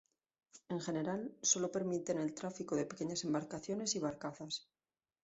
En general, solo permiten el tráfico de pequeñas embarcaciones y barcazas.